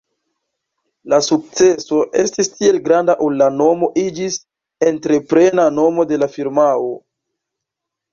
La sukceso estis tiel granda ol la nomo iĝis entreprena nomo de la firmao.